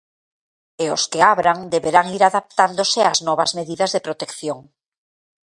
E os que abran deberán ir adaptándose as novas medidas de protección.